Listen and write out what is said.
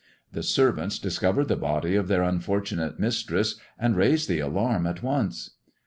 The servants discovered the body of their unfortunate mistress, and raised the alarm at once.